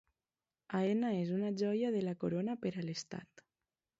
Aena és una joia de la corona per a l'estat